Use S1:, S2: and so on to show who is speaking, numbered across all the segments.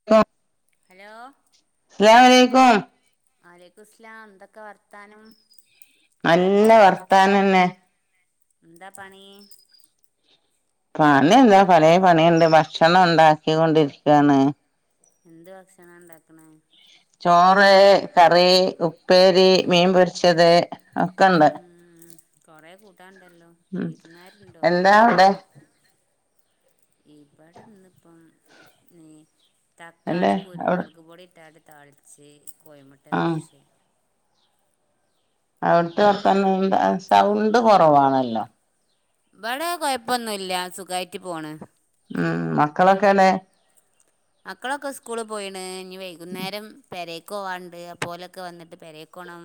S1: [unintelligible]
S2: Hello
S1: അസ്സലാം അലൈക്കും
S2: വലൈക്കും സ്സ്ലാം എന്തൊക്കെ വർത്താനം
S1: നല്ല വർത്താനംന്നെ
S2: എന്താ പണി
S1: പണി എന്താ പലയ പണിയുണ്ട് ഭക്ഷണം ഉണ്ടാക്കി കൊണ്ടിരിക്കുവയാണ്
S2: എന്ത് ഭക്ഷണാ ണ്ടാക്ക്ണേ
S1: ചോറ് കറി ഉപ്പേരി മീൻ പൊരിച്ചത് ഒക്കെണ്ട്
S2: ഉം കൊറേ കൂട്ടാണ്ടല്ലോ
S1: ഉ
S2: വിരുന്നാരുണ്ടോ
S1: എന്താ അവിടെ
S2: ഇവിടെ ഇന്നിപ്പം ഇനി
S1: അല്ലെ
S2: തക്കാളി
S1: അവിടെ
S2: കുരുമുളക് പൊടിയിട്ട്കാണ്ട് താളിച്ച് കോയിമുട്ട
S1: ആ
S2: പൊരിച്ച്
S1: അവിടുത്തെ വർത്താനം ന്താ സൗണ്ട് കുറവാണല്ലോ
S2: ഇവിടെ കൊഴപ്പൊന്നുമല്ല സുഖായിട്ട് പോണ്
S1: ഉം മക്കളൊക്കെവ്ടെ
S2: മക്കളൊക്കെ സ്കൂള് പോയിണ് ഇനി വൈകുന്നേരം പേരെ ക്കവാണ്ട് അപ്പോലൊക്കെ വന്നിട്ട് പെരെക്കോണം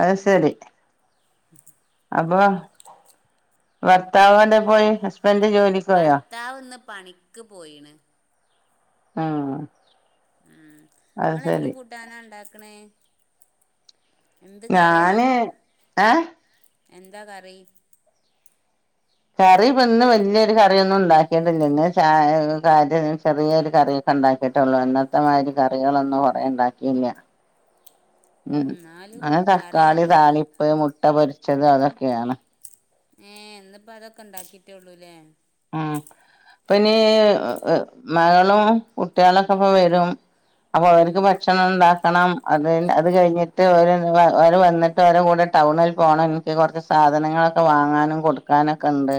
S1: അഹ് ശരി
S2: ഉ
S1: അപ്പൊ ഭർത്താവ് ഏന്റെ പോയി ഹസ്ബൻഡ് ജോലിക്കോ യോ
S2: ത്താവ് ഇന്ന് പണിക്ക് പോയിണ്
S1: ആഹ
S2: ഉം ഇങ്ങള് എന്ത് കൂട്ടാനാ ണ്ടാക്ക്ണേ എന്ത് കറിയാ
S1: ഞാന് ഏഹ്
S2: എന്താ കറി
S1: കറി ഇപ്പൊ ഇന്ന് വലിയൊരു കറിയൊന്നും ഉണ്ടാക്കിയിട്ടില്ല ഇന്ന് ച കാര് ചെറിയൊരു കറി ഉണ്ടാക്കിയിട്ടുള്ളൂ എന്നത്തെമാതിരി കറികളൊന്നും കുറേ ഉണ്ടാക്കിയില്ല ഉം
S2: എന്നാലും
S1: അനെ
S2: കറി
S1: തക്കാളി
S2: ഏതാ
S1: താളിപ്പ് മുട്ട പൊരിച്ചത് അതൊക്കെയാണ്
S2: ഏ ഇന്ന്പ്പോ അതൊക്കെ ണ്ടാക്കി ട്ടൊള്ളൂല്ലേ
S1: ഉം ഇപ്പോനീ മകളും കുട്ടികളൊക്കെ ഇപ്പ വരും അപ്പൊ അവർക്ക്
S2: ഉം
S1: ഭക്ഷണം ഉണ്ടാക്ക ണം അത് അത് കഴിഞ്ഞിട്ട് വര് അവര് വന്നിട്ട് അവരെ കൂടെ ടൗണിൽ പോണം ഇന്കി കുറച്ച് സാധനങ്ങളൊക്കെ വാങ്ങാനും കൊടുക്കാനൊക്കെ ഉണ്ട്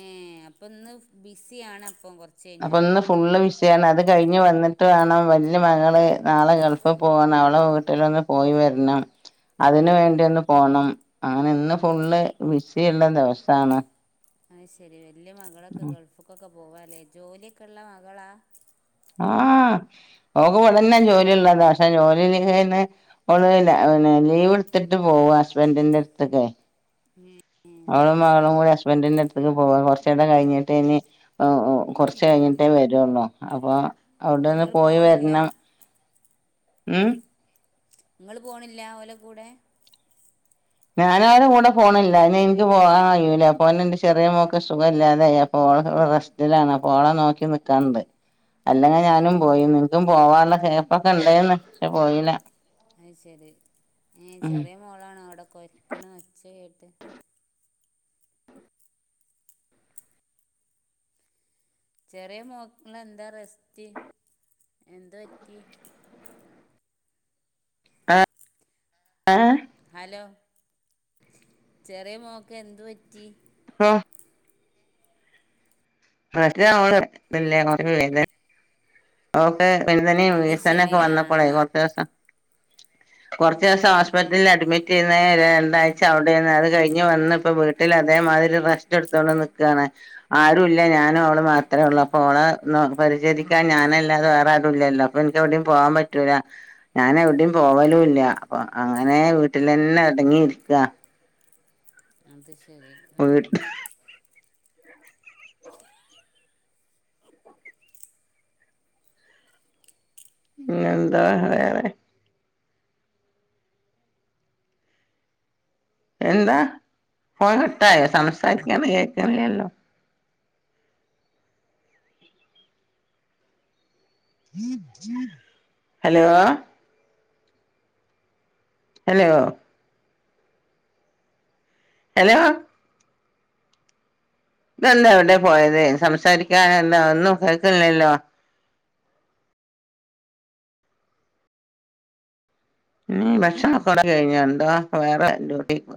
S2: ഏ അപ്പൊ ഇന്ന് ബിസിയാണ് അപ്പം കൊറച്ച്
S1: അപ്പം ഇന്ന് ഫുള്ള് വി ചെയ്യണം അത് കഴിഞ്ഞ് വന്നിട്ട് വേണം വലിയ മകൾ നാളെ ഗൾഫിൽ പോകാണ് അവളെ വീട്ടിലൊന്ന് പോയി വരണം
S2: [unintelligible]
S1: അതിന് വേണ്ടി ഒന്ന് പോണം അങ്ങനെ ഇന്ന് ഫുള്ള് ബിസി ഉള്ള ദിവസമാണ്
S2: അ ശെരി വല്യയമകളൊക്കെ ഗൾഫക്കൊക്കെ പോവാല്ലേ ജോലിയൊക്കെ ള്ള മകളാ
S1: ആഹ് ഓക്ക് ഇവടന്നെ ജോലിള്ളതാ പക്ഷെ ജോലി ക്ക് ഹേ ന്ന് ഒള് ലാ ലീവ് ട്ത്ത്ട്ട് പോവാ ഹസ്ബൻഡിന്റെ ട്ത്ത്ക്ക്
S2: ഏ ഏ,
S1: അവളും
S2: അത്
S1: മകളും
S2: ശരി
S1: കൂടി ഹസ്ബന്റെ അടു അ പോവ കുറചൂടെ കഴിഞ്ഞിട്ടേന് കുറച്ച് കഴിഞ്ഞിട്ടേ വരുള്ളൂ അപ്പൊ
S2: അപ്പൊ
S1: അവിടെന്ന്
S2: ഇങ്ങള്
S1: പോയി
S2: പോണില്ല
S1: വരണം ഉം
S2: ഇങ്ങള് പോണില്ല്യാ ഓല കൂടെ
S1: ഞാന അവരുടെ കൂടെ പോണില്ല എന്നെ എനിക്ക് പോകാൻ കയൂല അപ്പോത്തിന് എന്റെ ചെറിയ മോന്ക്ക്‌ സുഖ ഇല്ലാതെ ആയി. അപ്പോ റെസ് ഇതിലാണ് അപ്പോ ഓളെ നോക്കി നിക്കാന്ണ്ട് അല്ലെങ്കെ ഞാനും
S2: ഏ
S1: പോയിന്ന് ഇന്ക്കും പോവാനുള്ള ചാൻസ്ക്കെ ഇണ്ടേന്ന് പക്ഷെ പോയില്ല
S2: അഹ് ശരി ഏ
S1: ഉം
S2: ചെറെ മോളാണേ അവിടെ കൊയക്ക്ണ ഒച്ച കേട്ട് ചെറിയ മോക്ക എന്താ റെസ്റ്റ് എന്താ പറ്റി
S1: ആ ഏ
S2: ഹലോ ചെറിയ മോക്ക് എന്ത് പറ്റി
S1: ആഹ് പ്രശ്നോണ് വല്യ [unintelligible] ഓക്ക് വിന്തനീം
S2: അത്
S1: വീസനെക്ക
S2: ശരി ആ
S1: വന്നപ്പളേ
S2: ആ
S1: കൊറച്ചൂസം കൊറച്ച് ദിവസം ഹോസ്പിറ്റലിലഡ്മിറ്റ് ചെയ്യുന്നേ
S2: ഉം,
S1: രണ്ടാഴ്ച്ച അവട് ടേന്ന് അത് കഴിഞ്ഞ് വന്നിപ്പ വീട്ടിലതേമാതിരി റസ്റ്റെടുത്തോണ്ട് നിക്ക്ആണ് ആരു ഇല്ല്യ ഞാനും അവള് മാത്രേ ഒള്ളൂ
S2: ഉം,
S1: അപ്പൊ ഓളെ നോ പരിചിക്കാൻ ഞാനേ ല്ലാത വേറാരുല്ലല്ലോ അപ്പൊ എനിക്ക് എവിടേം പോവാൻ പറ്റൂല ഞാനെവിട്യും പോവലൂല്ല്യ അപ്പൊ അങ്ങനേ വീട്ടിലന്നെ
S2: ഉം.
S1: അടങ്ങിയിരിക്ക്അ
S2: അത് ശരി
S1: വീട്ട്
S2: ഉം
S1: പിന്നെന്താ വേറെ? എന്നാ ഫോണ് കട്ടായോ? സംസാരിരിക്കണത് കേക്കണില്ല്യല്ലോ? ഹലോ? ഹലോ? ഹലോ ഇതെന്താ എവടേ പോയത്. സംസാരിക്കാനെന്താ ഒന്നും കേക്കണില്ല്യല്ലോ? ഉം ഭക്ഷണൊ [unintelligible] കഴിഞ്ഞണ്ടോ? എന്താ വേറെ ഡ്യൂട്ടി കു